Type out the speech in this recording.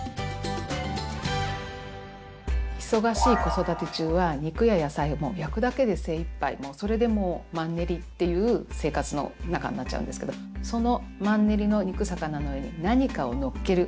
忙しい子育て中は肉や野菜も焼くだけで精いっぱいそれでもうマンネリっていう生活の中になっちゃうんですけどそのマンネリの肉魚の上に何かをのっける。